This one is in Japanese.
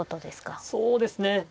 そうですね。